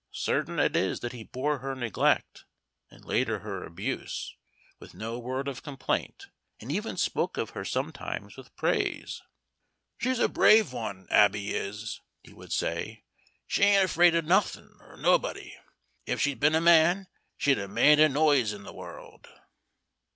Certain it is that he bore her neglect, and later her abuse, with no word of complaint, and even spoke of her sometimes with praise. "She's a brave one, Abby is," he would say. "She ain't afraid of nothin' or nobody. Ef she'd a' been a man, she'd a' made a noise in the world."